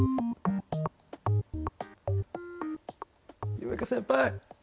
夢叶先輩。